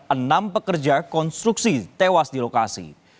enam pekerja konstruksi tewas di lokasi